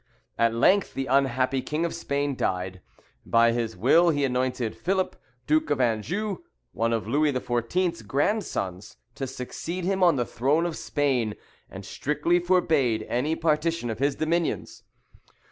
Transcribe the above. At length the unhappy King of Spain died. By his will he appointed Philip, Duke of Anjou, one of Louis XIV.'s grandsons, to succeed him on the throne of Spain, and strictly forbade any partition of his dominions.